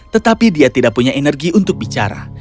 tetapi dia tidak punya energi untuk bicara